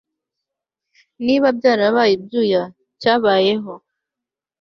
niba byarabaye ibyuya cyabayeho